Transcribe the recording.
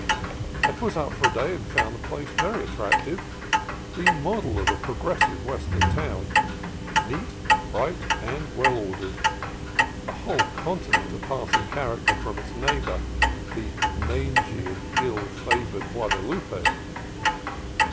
I put up for a day, and found the place very attrac tive, the model of a progressive Western town; neat, bright, and well ordered: a whole continent apart in character from its neighbor, the mangy and ill favored Guadalupe.